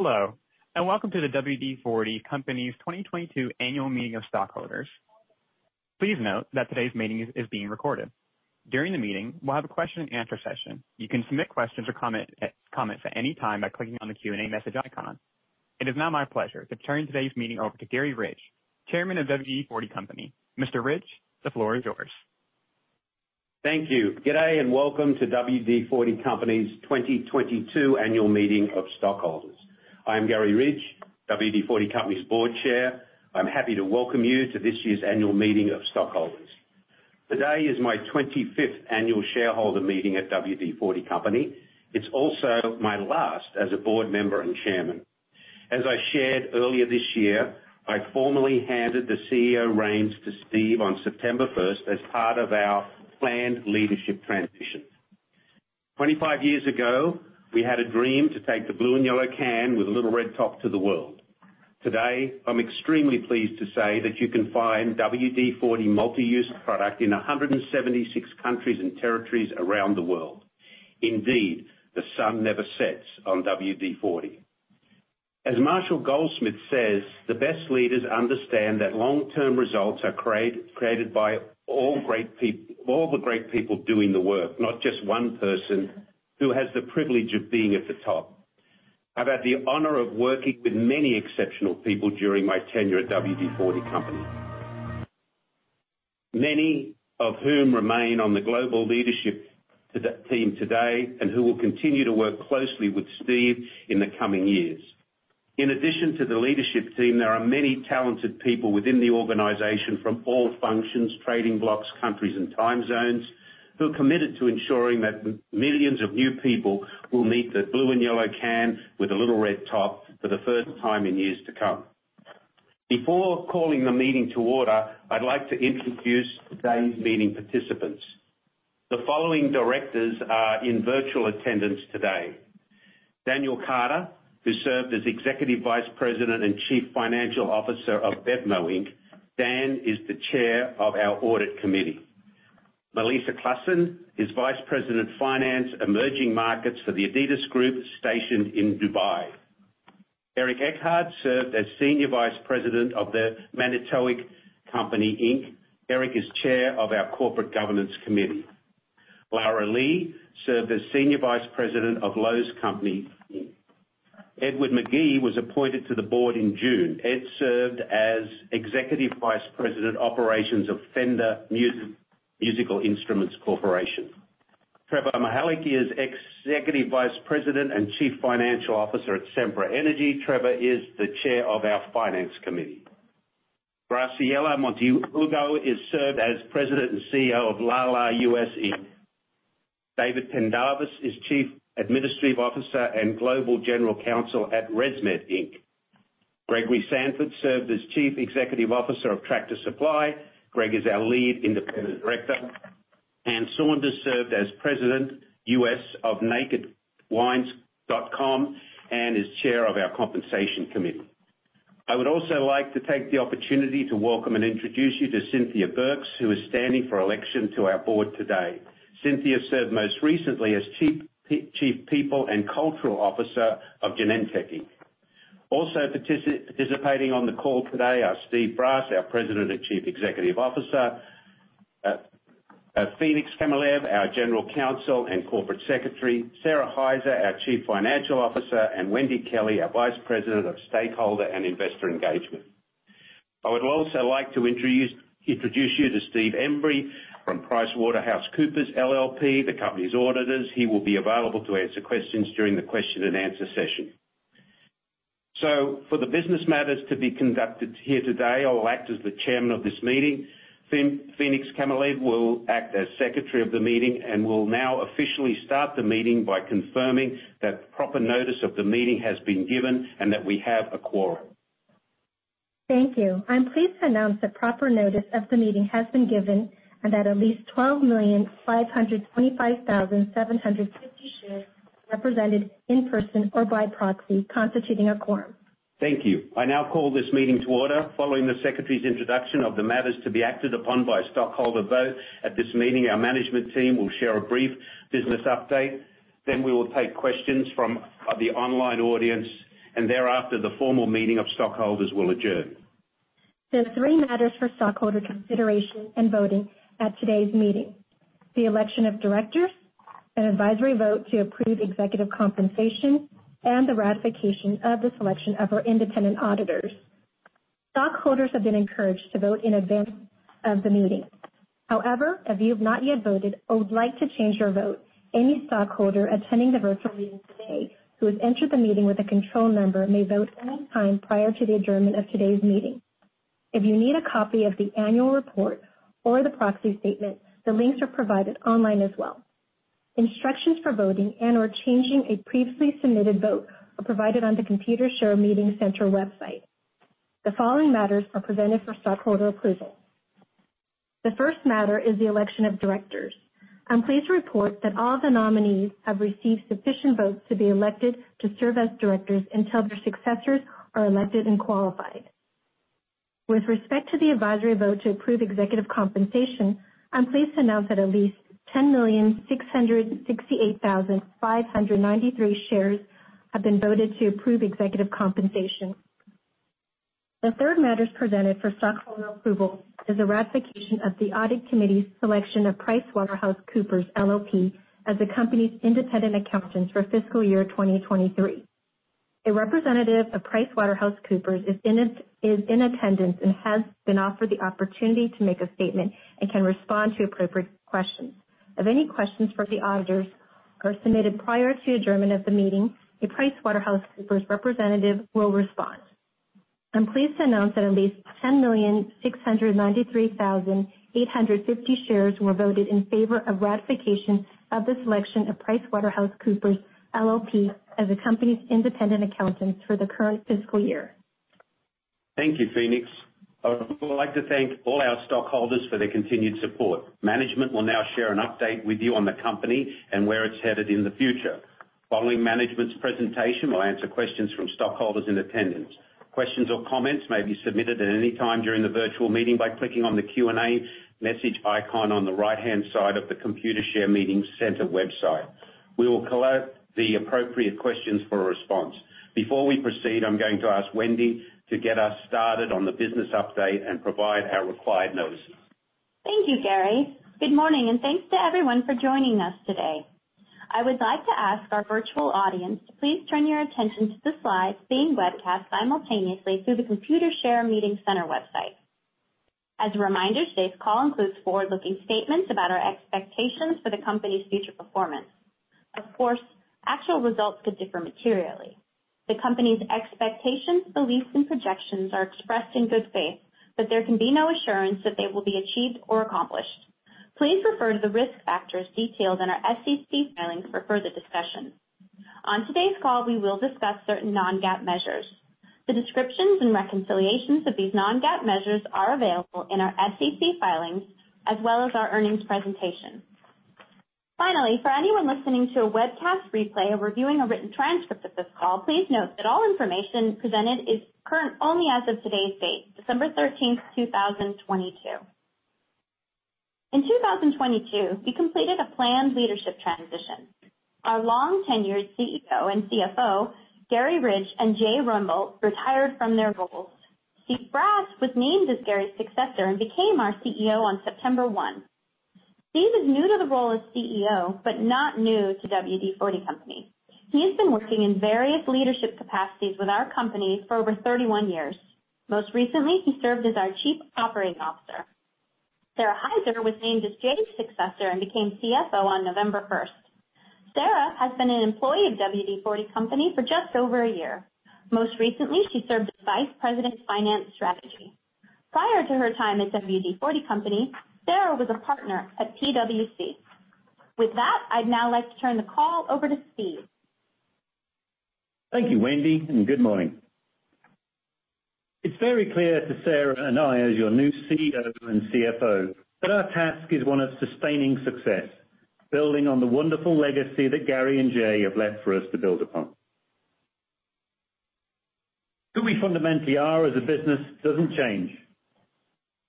Hello, welcome to the WD-40 Company's 2022 Annual Meeting of Stockholders. Please note that today's meeting is being recorded. During the meeting, we'll have a question and answer session. You can submit questions or comments at any time by clicking on the Q&A message icon. It is now my pleasure to turn today's meeting over to Garry Ridge, Chairman of WD-40 Company. Mr. Ridge, the floor is yours. Thank you. Good day, welcome to WD-40 Company's 2022 Annual Meeting of Stockholders. I am Garry Ridge, WD-40 Company's Board Chair. I'm happy to welcome you to this year's annual meeting of stockholders. Today is my 25th annual shareholder meeting at WD-40 Company. It's also my last as a board member and chairman. As I shared earlier this year, I formally handed the CEO reins to Steve on September 1st as part of our planned leadership transition. 25 years ago, we had a dream to take the blue and yellow can with a little red top to the world. Today, I'm extremely pleased to say that you can find WD-40 Multi-Use Product in 176 countries and territories around the world. Indeed, the sun never sets on WD-40. As Marshall Goldsmith says, "The best leaders understand that long-term results are created by all the great people doing the work, not just one person who has the privilege of being at the top." I've had the honor of working with many exceptional people during my tenure at WD-40 Company, many of whom remain on the global leadership team today, and who will continue to work closely with Steve in the coming years. In addition to the leadership team, there are many talented people within the organization from all functions, trading blocks, countries, and time zones, who are committed to ensuring that millions of new people will meet the blue and yellow can with a little red top for the first time in years to come. Before calling the meeting to order, I'd like to introduce today's meeting participants. The following directors are in virtual attendance today. Daniel Carter, who served as Executive Vice President and Chief Financial Officer of BevMo! Inc. Dan is the Chair of our Audit Committee. Melissa Claassen is Vice President of Finance, Emerging Markets for the adidas Group stationed in Dubai. Eric Etchart served as Senior Vice President of The Manitowoc Company, Inc. Eric is Chair of our Corporate Governance Committee. Lara Lee served as Senior Vice President of Lowe's Companies, Inc. Edward Magee was appointed to the board in June. Ed served as Executive Vice President, Operations of Fender Musical Instruments Corporation. Trevor Mihalik is Executive Vice President and Chief Financial Officer at Sempra. Trevor is the Chair of our Finance Committee. Graciela Monteagudo is served as President and CEO of Lala U.S., Inc. David Pendarvis is Chief Administrative Officer and Global General Counsel at ResMed, Inc. Gregory Sandfort served as Chief Executive Officer of Tractor Supply. Greg is our Lead Independent Director. Anne Saunders served as President, U.S. of nakedwines.com and is Chair of our Compensation Committee. I would also like to take the opportunity to welcome and introduce you to Cynthia Burks, who is standing for election to our Board today. Cynthia served most recently as Chief People and Cultural Officer of Genentech, Inc. Also participating on the call today are Steve Brass, our President and Chief Executive Officer, Phenix Kiamilev, our General Counsel and Corporate Secretary, Sara Hyzer, our Chief Financial Officer, and Wendy Kelley, our Vice President of Stakeholder and Investor Engagement. I would also like to introduce you to Steve Embry from PricewaterhouseCoopers, LLP, the company's auditors. He will be available to answer questions during the question and answer session. For the business matters to be conducted here today, I will act as the chairman of this meeting. Phenix Kiamilev will act as secretary of the meeting and will now officially start the meeting by confirming that proper notice of the meeting has been given and that we have a quorum. Thank you. I'm pleased to announce that proper notice of the meeting has been given and that at least 12,525,750 shares represented in person or by proxy, constituting a quorum. Thank you. I now call this meeting to order following the secretary's introduction of the matters to be acted upon by a stockholder vote. At this meeting, our management team will share a brief business update. Then we will take questions from the online audience, and thereafter, the formal meeting of stockholders will adjourn. There are three matters for stockholder consideration and voting at today's meeting: the election of directors, an advisory vote to approve executive compensation, and the ratification of the selection of our independent auditors. Stockholders have been encouraged to vote in advance of the meeting. If you've not yet voted or would like to change your vote, any stockholder attending the virtual meeting today who has entered the meeting with a control number may vote any time prior to the adjournment of today's meeting. If you need a copy of the annual report or the proxy statement, the links are provided online as well. Instructions for voting and/or changing a previously submitted vote are provided on the Computershare Meeting Center website. The following matters are presented for stockholder approval. The first matter is the election of directors. I'm pleased to report that all the nominees have received sufficient votes to be elected to serve as directors until their successors are elected and qualified. With respect to the advisory vote to approve executive compensation, I'm pleased to announce that at least 10,668,593 shares have been voted to approve executive compensation. The third matter presented for stockholder approval is a ratification of the Audit Committee's selection of PricewaterhouseCoopers LLP as the company's independent accountants for fiscal year 2023. A representative of PricewaterhouseCoopers is in attendance and has been offered the opportunity to make a statement and can respond to appropriate questions. If any questions for the auditors are submitted prior to adjournment of the meeting, a PricewaterhouseCoopers representative will respond. I'm pleased to announce that at least 10,693,850 shares were voted in favor of ratification of the selection of PricewaterhouseCoopers LLP as the company's independent accountants for the current fiscal year. Thank you, Phenix. I would like to thank all our stockholders for their continued support. Management will now share an update with you on the company and where it's headed in the future. Following management's presentation, we'll answer questions from stockholders in attendance. Questions or comments may be submitted at any time during the virtual meeting by clicking on the Q&A message icon on the right-hand side of the Computershare Meeting Center website. We will collate the appropriate questions for a response. Before we proceed, I'm going to ask Wendy to get us started on the business update and provide our required notices. Thank you, Garry. Good morning, thanks to everyone for joining us today. I would like to ask our virtual audience to please turn your attention to the slides being webcast simultaneously through the Computershare Meeting Center website. As a reminder, today's call includes forward-looking statements about our expectations for the company's future performance. Of course, actual results could differ materially. The company's expectations, beliefs, and projections are expressed in good faith, there can be no assurance that they will be achieved or accomplished. Please refer to the risk factors detailed in our S.E.C. filings for further discussion. On today's call, we will discuss certain non-GAAP measures. The descriptions and reconciliations of these non-GAAP measures are available in our S.E.C. filings as well as our earnings presentation. Finally, for anyone listening to a webcast replay or reviewing a written transcript of this call, please note that all information presented is current only as of today's date, December 13, 2022. In 2022, we completed a planned leadership transition. Our long tenured CEO and CFO, Garry Ridge and Jay Rembolt, retired from their roles. Steve Brass was named as Garry's successor and became our CEO on September 1. Steve is new to the role of CEO, but not new to WD-40 Company. He has been working in various leadership capacities with our company for over 31 years. Most recently, he served as our Chief Operating Officer. Sara Hyzer was named as Jay's successor and became CFO on November 1. Sara has been an employee of WD-40 Company for just over a year. Most recently, she served as Vice President of Finance Strategy. Prior to her time at WD-40 Company, Sara was a partner at PwC. With that, I'd now like to turn the call over to Steve. Thank you, Wendy, and good morning. It's very clear to Sara and I as your new CEO and CFO that our task is one of sustaining success, building on the wonderful legacy that Garry and Jay have left for us to build upon. Who we fundamentally are as a business doesn't change.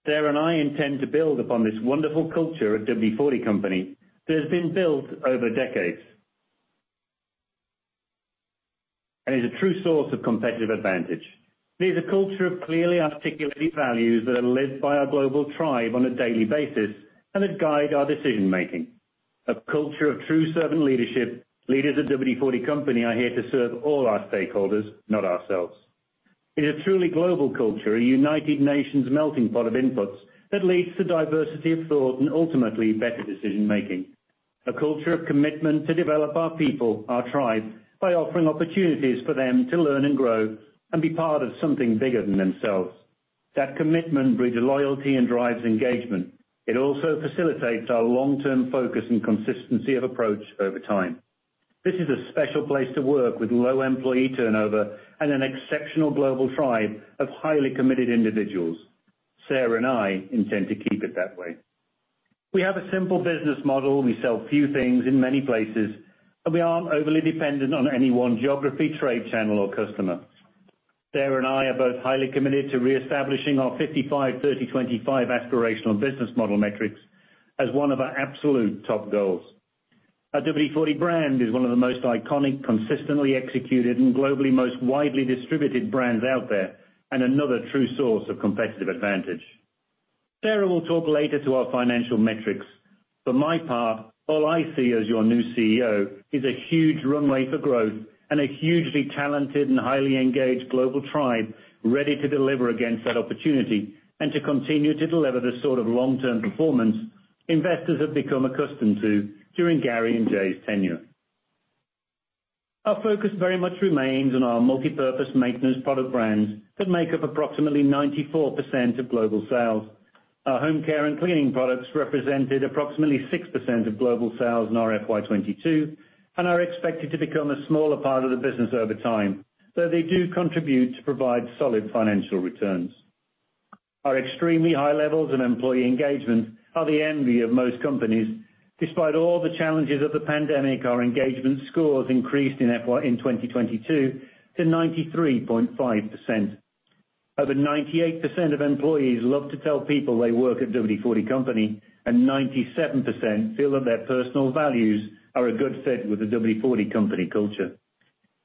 Sara and I intend to build upon this wonderful culture at WD-40 Company that has been built over decades, and is a true source of competitive advantage. It is a culture of clearly articulated values that are led by our global tribe on a daily basis and that guide our decision-making. A culture of true servant leadership. Leaders at WD-40 Company are here to serve all our stakeholders, not ourselves. It is a truly global culture, a United Nations melting pot of inputs that leads to diversity of thought and ultimately better decision-making. A culture of commitment to develop our people, our tribe, by offering opportunities for them to learn and grow and be part of something bigger than themselves. That commitment breeds loyalty and drives engagement. It also facilitates our long-term focus and consistency of approach over time. This is a special place to work with low employee turnover and an exceptional global tribe of highly committed individuals. Sara and I intend to keep it that way. We have a simple business model. We sell few things in many places, and we aren't overly dependent on any one geography, trade channel, or customer. Sara and I are both highly committed to reestablishing our 55/30/25 aspirational business model metrics as one of our absolute top goals. Our WD-40 brand is one of the most iconic, consistently executed, and globally most widely distributed brands out there, and another true source of competitive advantage. Sara will talk later to our financial metrics. For my part, all I see as your new CEO is a huge runway for growth and a hugely talented and highly engaged global tribe ready to deliver against that opportunity and to continue to deliver the sort of long-term performance investors have become accustomed to during Garry and Jay's tenure. Our focus very much remains on our multipurpose maintenance product brands that make up approximately 94% of global sales. Our home care and cleaning products represented approximately 6% of global sales in our FY 2022 and are expected to become a smaller part of the business over time, though they do contribute to provide solid financial returns. Our extremely high levels of employee engagement are the envy of most companies. Despite all the challenges of the pandemic, our engagement scores increased in 2022 to 93.5%. Over 98% of employees love to tell people they work at WD-40 Company, and 97% feel that their personal values are a good fit with the WD-40 Company culture.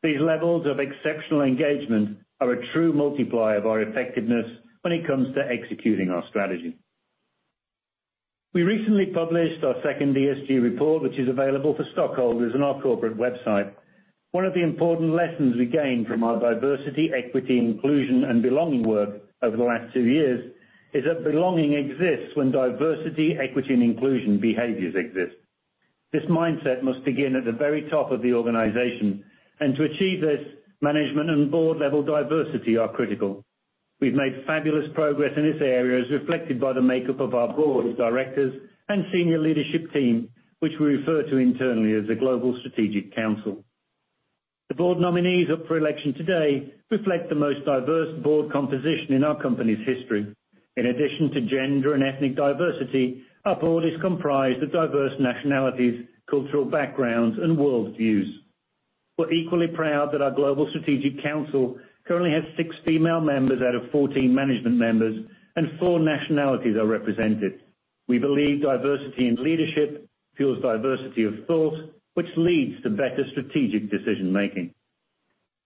These levels of exceptional engagement are a true multiplier of our effectiveness when it comes to executing our strategy. We recently published our second ESG report, which is available for stockholders on our corporate website. One of the important lessons we gained from our diversity, equity, inclusion and belonging work over the last 2 years is that belonging exists when diversity, equity and inclusion behaviors exist. This mindset must begin at the very top of the organization. To achieve this, management and board level diversity are critical. We've made fabulous progress in this area, as reflected by the makeup of our board of directors and senior leadership team, which we refer to internally as the Global Strategic Council. The board nominees up for election today reflect the most diverse board composition in our company's history. In addition to gender and ethnic diversity, our board is comprised of diverse nationalities, cultural backgrounds and worldviews. We're equally proud that our Global Strategic Council currently has 6 female members out of 14 management members, and 4 nationalities are represented. We believe diversity in leadership fuels diversity of thought, which leads to better strategic decision-making.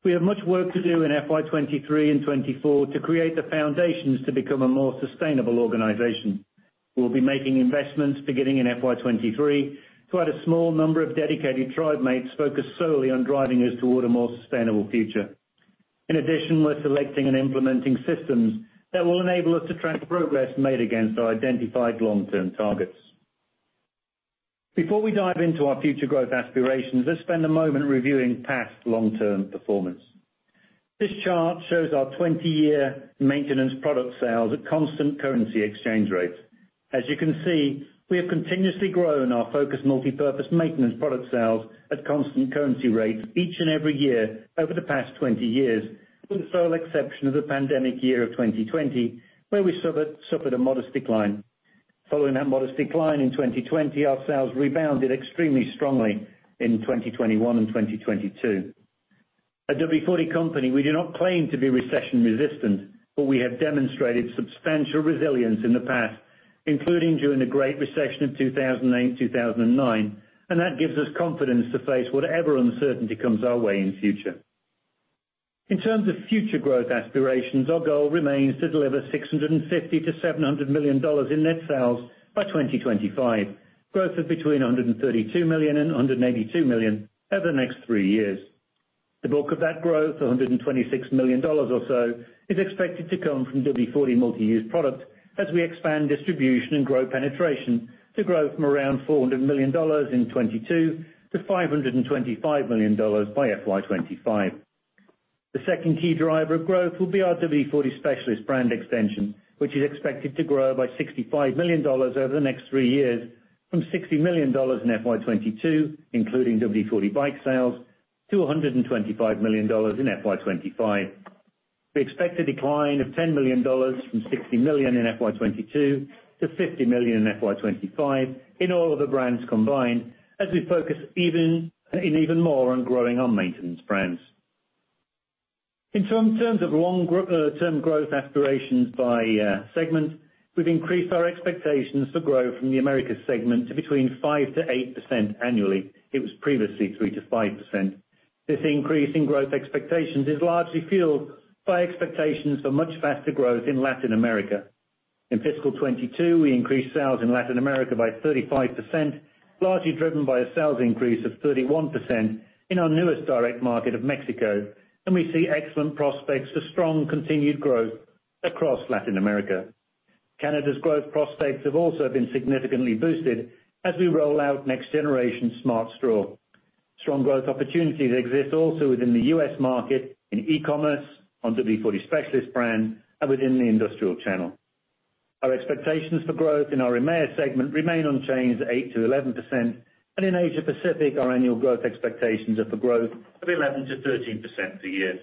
We have much work to do in FY 2023 and 2024 to create the foundations to become a more sustainable organization. We'll be making investments beginning in FY 2023 to add a small number of dedicated tribe mates focused solely on driving us toward a more sustainable future. We're selecting and implementing systems that will enable us to track progress made against our identified long-term targets. Before we dive into our future growth aspirations, let's spend a moment reviewing past long-term performance. This chart shows our 20-year maintenance product sales at constant currency exchange rates. As you can see, we have continuously grown our focused multipurpose maintenance product sales at constant currency rates each and every year over the past 20 years, with the sole exception of the pandemic year of 2020, where we suffered a modest decline. Following that modest decline in 2020, our sales rebounded extremely strongly in 2021 and 2022. At WD-40 Company, we do not claim to be recession resistant, but we have demonstrated substantial resilience in the past, including during the Great Recession of 2008 and 2009, and that gives us confidence to face whatever uncertainty comes our way in future. In terms of future growth aspirations, our goal remains to deliver $650 million-$700 million in net sales by 2025, growth of between $132 million and $182 million over the next three years. The bulk of that growth, $126 million or so, is expected to come from WD-40 Multi-Use Product as we expand distribution and grow penetration to grow from around $400 million in 2022 to $525 million by FY 2025. The second key driver of growth will be our WD-40 Specialist brand extension, which is expected to grow by $65 million over the next three years from $60 million in FY 2022, including WD-40 BIKE sales to $125 million in FY 2025. We expect a decline of $10 million from $60 million in FY 2022 to $50 million in FY 2025 in all other brands combined, as we focus even more on growing our maintenance brands. In terms of long-term growth aspirations by segment, we've increased our expectations for growth from the Americas segment to between 5%-8% annually. It was previously 3%-5%. This increase in growth expectations is largely fueled by expectations for much faster growth in Latin America. In fiscal 2022, we increased sales in Latin America by 35%, largely driven by a sales increase of 31% in our newest direct market of Mexico, and we see excellent prospects for strong continued growth across Latin America. Canada's growth prospects have also been significantly boosted as we roll out Smart Straw Next Generation. Strong growth opportunities exist also within the U.S. market, in e-commerce, on WD-40 Specialist brand, and within the industrial channel. Our expectations for growth in our EMEIA segment remain unchanged at 8%-11%, and in Asia Pacific, our annual growth expectations are for growth of 11%-13% per year.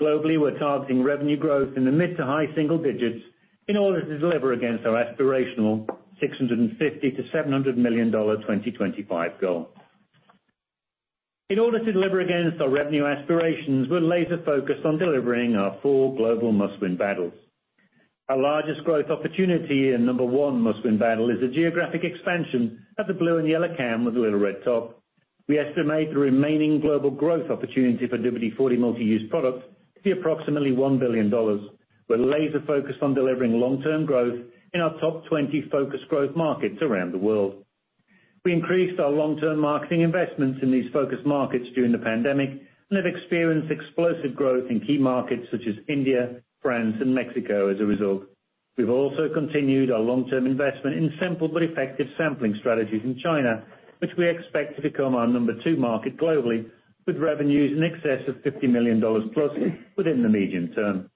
Globally, we're targeting revenue growth in the mid to high single digits in order to deliver against our aspirational $650 million-$700 million 2025 goal. In order to deliver against our revenue aspirations, we're laser focused on delivering our 4 global must-win battles. Our largest growth opportunity and number 1 must-win battle is the geographic expansion of the blue and yellow can with the little red top. We estimate the remaining global growth opportunity for WD-40 Multi-Use products to be approximately $1 billion. We're laser focused on delivering long-term growth in our top 20 focused growth markets around the world. We increased our long-term marketing investments in these focus markets during the pandemic and have experienced explosive growth in key markets such as India, France and Mexico as a result. We've also continued our long-term investment in simple but effective sampling strategies in China, which we expect to become our number 2 market globally, with revenues in excess of $50 million plus within the medium term.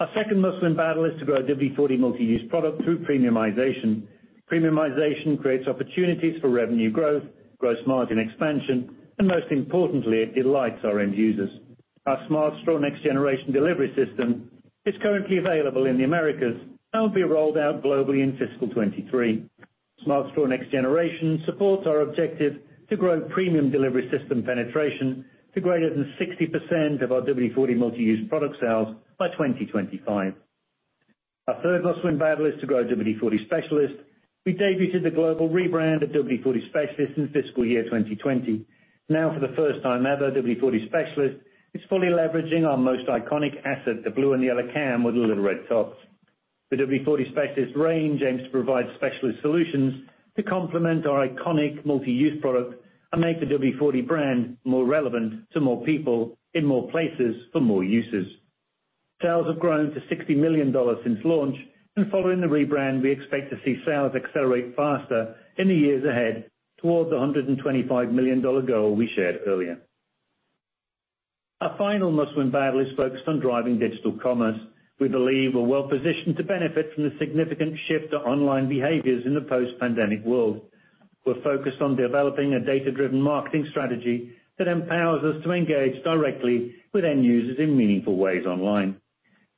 Our second must-win battle is to grow WD-40 Multi-Use Product through premiumization. Premiumization creates opportunities for revenue growth, gross margin expansion, and most importantly, it delights our end users. Our Smart Straw Next Generation delivery system is currently available in the Americas and will be rolled out globally in fiscal 2023. Smart Straw Next Generation supports our objective to grow premium delivery system penetration to greater than 60% of our WD-40 Multi-Use Product sales by 2025. Our third must-win battle is to grow WD-40 Specialist. We debuted the global rebrand of WD-40 Specialist in fiscal year 2020. For the first time ever, WD-40 Specialist is fully leveraging our most iconic asset, the blue and yellow can with the little red tops. The WD-40 Specialist range aims to provide specialist solutions to complement our iconic Multi-Use Product and make the WD-40 brand more relevant to more people in more places for more uses. Sales have grown to $60 million since launch. Following the rebrand, we expect to see sales accelerate faster in the years ahead towards the $125 million goal we shared earlier. Our final must-win battle is focused on driving digital commerce. We believe we're well-positioned to benefit from the significant shift to online behaviors in the post-pandemic world. We're focused on developing a data-driven marketing strategy that empowers us to engage directly with end users in meaningful ways online.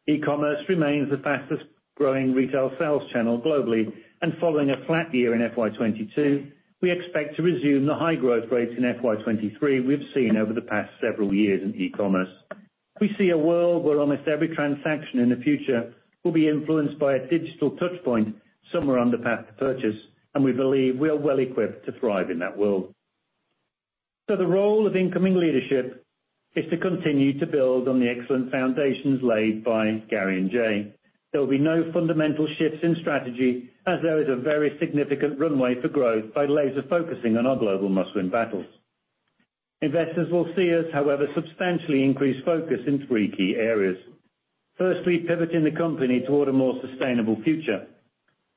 E-commerce remains the fastest growing retail sales channel globally, and following a flat year in FY 2022, we expect to resume the high growth rates in FY 2023 we've seen over the past several years in e-commerce. We see a world where almost every transaction in the future will be influenced by a digital touchpoint somewhere on the path to purchase, and we believe we are well-equipped to thrive in that world. The role of incoming leadership is to continue to build on the excellent foundations laid by Garry and Jay. There will be no fundamental shifts in strategy, as there is a very significant runway for growth by laser-focusing on our global must-win battles. Investors will see us, however, substantially increase focus in three key areas. Firstly, pivoting the company toward a more sustainable future.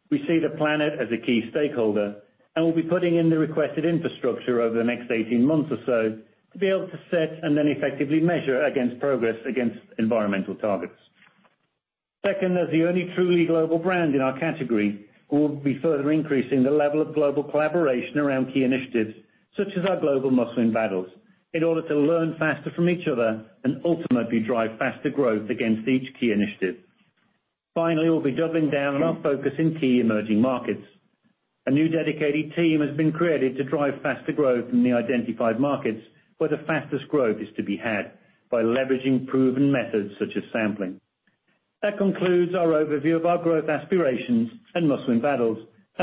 We see the planet as a key stakeholder, and we'll be putting in the requested infrastructure over the next 18 months or so to be able to set and then effectively measure against progress against environmental targets. Second, as the only truly global brand in our category, we will be further increasing the level of global collaboration around key initiatives, such as our global must-win battles, in order to learn faster from each other and ultimately drive faster growth against each key initiative. Finally, we'll be doubling down on our focus in key emerging markets. A new dedicated team has been created to drive faster growth in the identified markets where the fastest growth is to be had by leveraging proven methods such as sampling. That concludes our overview of our growth aspirations and must-win battles.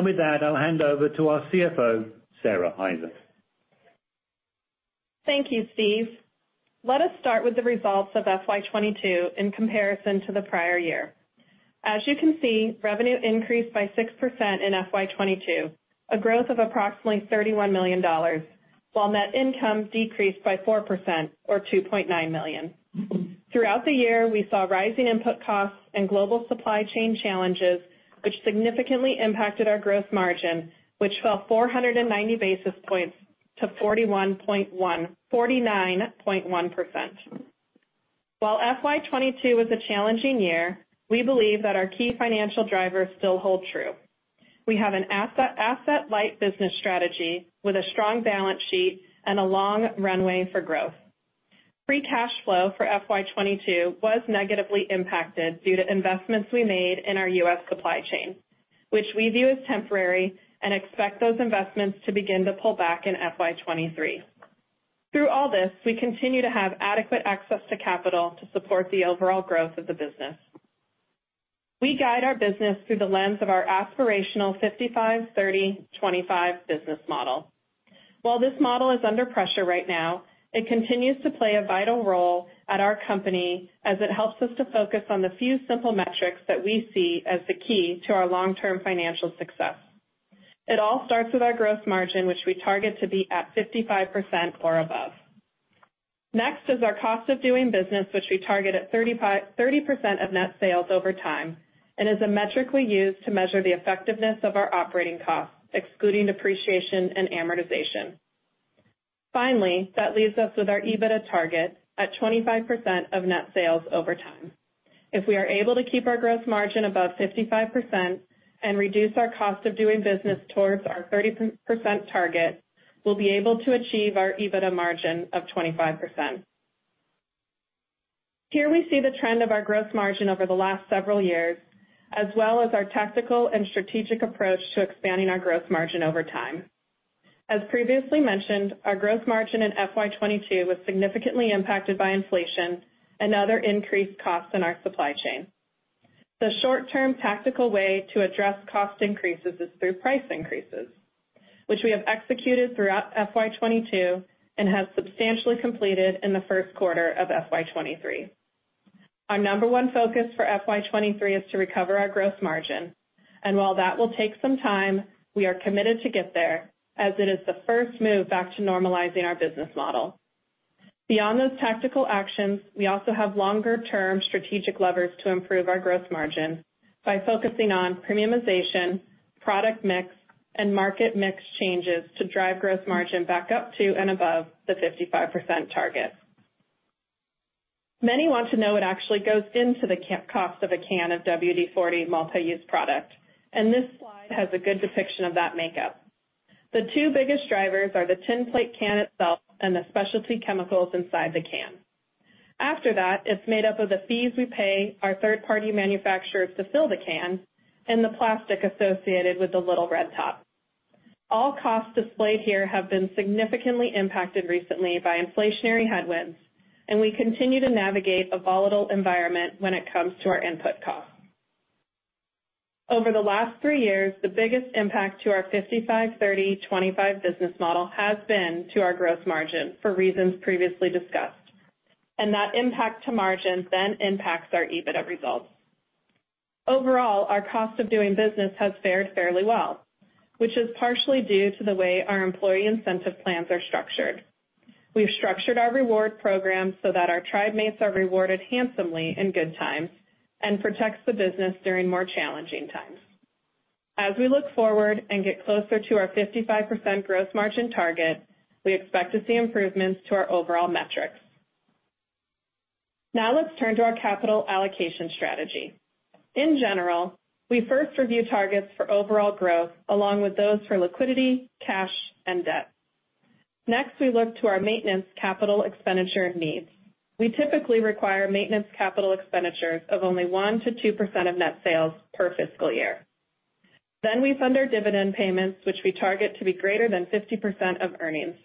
With that, I'll hand over to our CFO, Sara Hyzer. Thank you, Steve. Let us start with the results of FY 2022 in comparison to the prior year. As you can see, revenue increased by 6% in FY 2022, a growth of approximately $31 million, while net income decreased by 4% or $2.9 million. Throughout the year, we saw rising input costs and global supply chain challenges which significantly impacted our gross margin, which fell 490 basis points to 49.1%. While FY 2022 was a challenging year, we believe that our key financial drivers still hold true. We have an asset-light business strategy with a strong balance sheet and a long runway for growth. Free cash flow for FY 22 was negatively impacted due to investments we made in our U.S. supply chain, which we view as temporary and expect those investments to begin to pull back in FY 23. Through all this, we continue to have adequate access to capital to support the overall growth of the business. We guide our business through the lens of our aspirational 55/30/25 business model. While this model is under pressure right now, it continues to play a vital role at our company as it helps us to focus on the few simple metrics that we see as the key to our long-term financial success. It all starts with our gross margin, which we target to be at 55% or above. Our cost of doing business, which we target at 30% of net sales over time, is a metric we use to measure the effectiveness of our operating costs, excluding depreciation and amortization. That leaves us with our EBITDA target at 25% of net sales over time. If we are able to keep our gross margin above 55% and reduce our cost of doing business towards our 30% target, we'll be able to achieve our EBITDA margin of 25%. We see the trend of our gross margin over the last several years, as well as our tactical and strategic approach to expanding our gross margin over time. As previously mentioned, our gross margin in FY 2022 was significantly impacted by inflation and other increased costs in our supply chain. The short-term tactical way to address cost increases is through price increases, which we have executed throughout FY 22 and have substantially completed in the first quarter of FY 23. Our number 1 focus for FY 23 is to recover our gross margin. While that will take some time, we are committed to get there as it is the first move back to normalizing our business model. Beyond those tactical actions, we also have longer term strategic levers to improve our gross margin by focusing on premiumization, product mix, and market mix changes to drive gross margin back up to and above the 55% target. Many want to know what actually goes into the cost of a can of WD-40 Multi-Use Product. This slide has a good depiction of that makeup. The two biggest drivers are the tin plate can itself and the specialty chemicals inside the can. After that, it's made up of the fees we pay our third-party manufacturers to fill the can and the plastic associated with the little red top. All costs displayed here have been significantly impacted recently by inflationary headwinds. We continue to navigate a volatile environment when it comes to our input costs. Over the last three years, the biggest impact to our 55/30/25 business model has been to our gross margin for reasons previously discussed. That impact to margin then impacts our EBITDA results. Overall, our cost of doing business has fared fairly well, which is partially due to the way our employee incentive plans are structured. We've structured our reward program so that our tribe mates are rewarded handsomely in good times and protects the business during more challenging times. As we look forward and get closer to our 55% gross margin target, we expect to see improvements to our overall metrics. Let's turn to our capital allocation strategy. In general, we first review targets for overall growth along with those for liquidity, cash, and debt. We look to our maintenance capital expenditure needs. We typically require maintenance capital expenditures of only 1%-2% of net sales per fiscal year. We fund our dividend payments, which we target to be greater than 50% of earnings.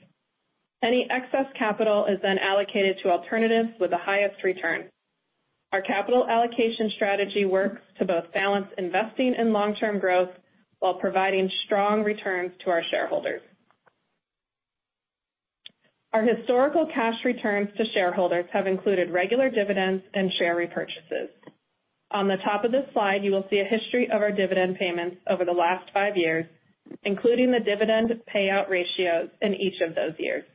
Any excess capital is then allocated to alternatives with the highest return. Our capital allocation strategy works to both balance investing in long-term growth while providing strong returns to our shareholders. Our historical cash returns to shareholders have included regular dividends and share repurchases. On the top of this slide, you will see a history of our dividend payments over the last five years, including the dividend payout ratios in each of those years.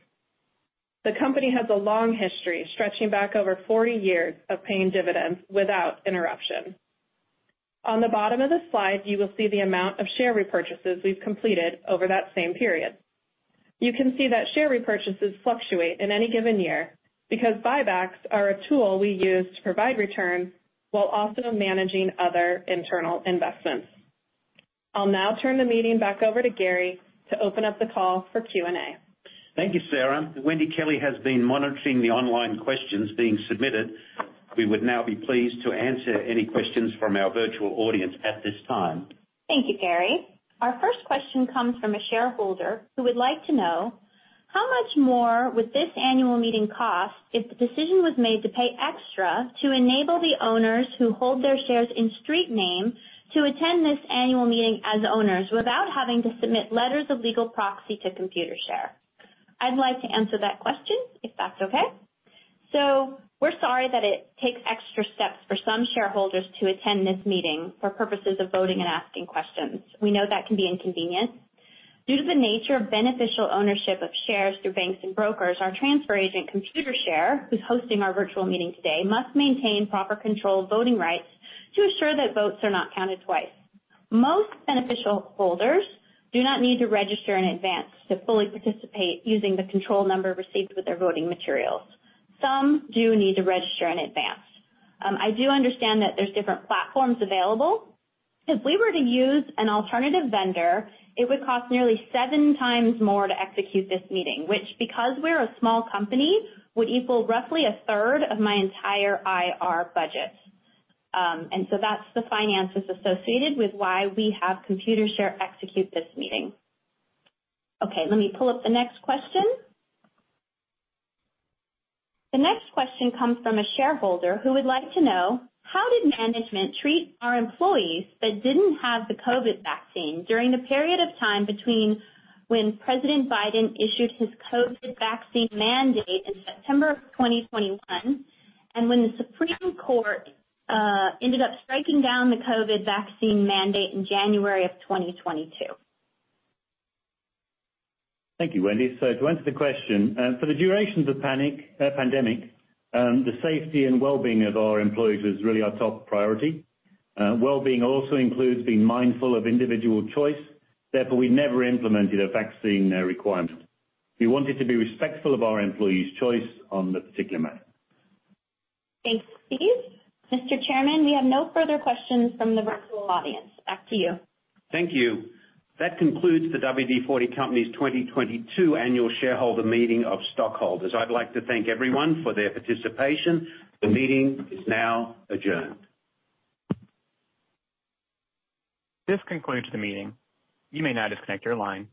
The company has a long history, stretching back over 40 years of paying dividends without interruption. On the bottom of the slide, you will see the amount of share repurchases we've completed over that same period. You can see that share repurchases fluctuate in any given year because buybacks are a tool we use to provide returns while also managing other internal investments. I'll now turn the meeting back over to Garry to open up the call for Q&A. Thank you, Sara. Wendy Kelley has been monitoring the online questions being submitted. We would now be pleased to answer any questions from our virtual audience at this time. Thank you, Garry. Our first question comes from a shareholder who would like to know how much more would this annual meeting cost if the decision was made to pay extra to enable the owners who hold their shares in street name to attend this annual meeting as owners without having to submit letters of legal proxy to Computershare? I'd like to answer that question, if that's okay. We're sorry that it takes extra steps for some shareholders to attend this meeting for purposes of voting and asking questions. We know that can be inconvenient. Due to the nature of beneficial ownership of shares through banks and brokers, our transfer agent, Computershare, who's hosting our virtual meeting today, must maintain proper control of voting rights to assure that votes are not counted twice. Most beneficial holders do not need to register in advance to fully participate using the control number received with their voting materials. Some do need to register in advance. I do understand that there's different platforms available. If we were to use an alternative vendor, it would cost nearly 7 times more to execute this meeting, which, because we're a small company, would equal roughly a third of my entire IR budget. That's the finances associated with why we have Computershare execute this meeting. Okay, let me pull up the next question. The next question comes from a shareholder who would like to know how did management treat our employees that didn't have the COVID vaccine during the period of time between when President Biden issued his COVID vaccine mandate in September of 2021 and when the Supreme Court ended up striking down the COVID vaccine mandate in January of 2022? Thank you, Wendy. To answer the question, for the duration of the pandemic, the safety and well-being of our employees was really our top priority. Well-being also includes being mindful of individual choice. Therefore, we never implemented a vaccine requirement. We wanted to be respectful of our employees' choice on that particular matter. Thanks, Steve. Mr. Chairman, we have no further questions from the virtual audience. Back to you. Thank you. That concludes the WD-40 Company's 2022 annual shareholder meeting of stockholders. I'd like to thank everyone for their participation. The meeting is now adjourned. This concludes the meeting. You may now disconnect your line.